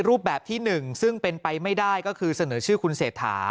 รูปแบบที่๑ซึ่งเป็นไปไม่ได้ก็คือเสนอชื่อคุณเศรษฐา